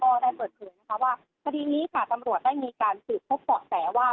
ก็ได้เปิดเผยนะคะว่าคดีนี้ค่ะตำรวจได้มีการสืบพบเบาะแสว่า